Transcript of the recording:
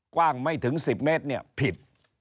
กว้างไม่ถึง๑๐เมตรเนี่ยผิด